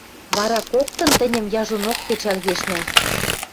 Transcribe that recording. Вара коктын тӹньӹм яжонок кӹчӓл кешнӓ.